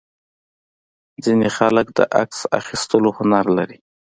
ځینې خلک د عکس اخیستلو هنر لري.